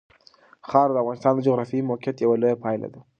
خاوره د افغانستان د جغرافیایي موقیعت یوه لویه پایله ده.